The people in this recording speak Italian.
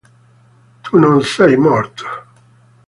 Tu non sei morto!